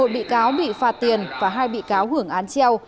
một mươi một bị cáo bị phạt tiền và hai bị cáo hưởng án treo